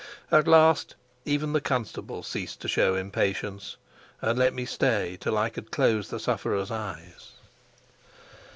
At least even the constable ceased to show impatience, and let me stay till I could close the sufferer's eyes.